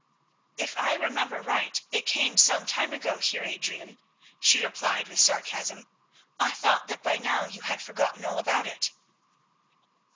"If I remember right it came some time ago, Heer Adrian," she replied with sarcasm. "I thought that by now you had forgotten all about it."